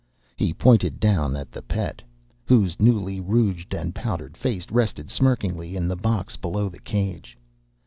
He pointed down at the Pet, whose newly rouged and powdered face rested smirkingly in the box below the cage.